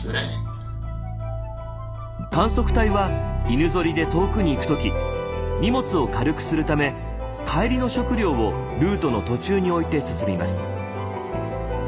観測隊は犬ゾリで遠くに行く時荷物を軽くするため帰りの食料をルートの途中に置いて進みます。